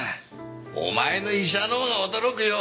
お前の医者のほうが驚くよ！